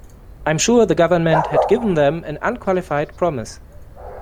I'm sure the government had given them an unqualified promise.